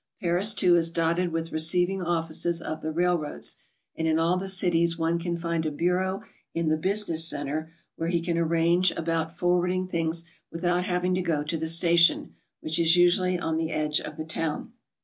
Paris, too, is dotted with receiving offices of the railroads, and in all the cities one can find a bureau in the business centre where he can arrange about forwarding things without having to go to the station, which is usually on the edge of the town.